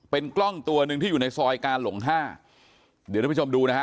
เป็นกล้องตัวหนึ่งที่อยู่ในซอยกาหลงห้าเดี๋ยวท่านผู้ชมดูนะฮะ